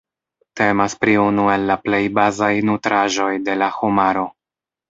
Temas pri unu el la plej bazaj nutraĵoj de la homaro.